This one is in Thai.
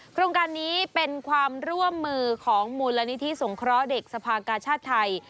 โครงการนี้เป็นความร่วมมือของมูลนิธิสงเคราะห์เด็กสภากาชาติไทย